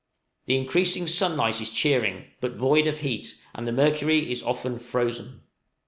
The increasing sunlight is cheering, but void of heat, and the mercury is often frozen.